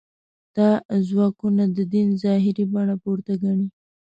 دا ځواکونه د دین ظاهري بڼه پورته ګڼي.